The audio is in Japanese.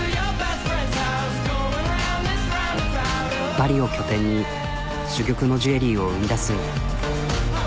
パリを拠点に珠玉のジュエリーを生みだす。